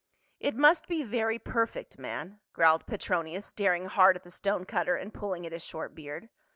" It must be very perfect, man," growled Pctronius, staring hard at the stone cutter and pulling at his short beard.